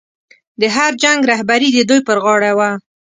د هر جنګ رهبري د دوی پر غاړه وه.